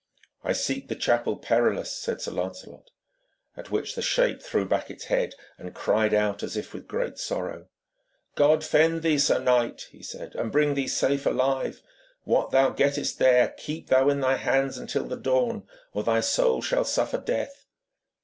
'I seek the Chapel Perilous,' said Sir Lancelot. At which the shape threw back its head and cried out as if with great sorrow. 'God fend thee, sir knight,' he said, 'and bring thee safe alive. What thou gettest there, keep thou in thy hands until the dawn, or thy soul shall suffer death.'